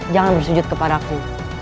jangan bersujud kepadaku